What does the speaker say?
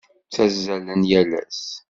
Ttazzalen yal ass?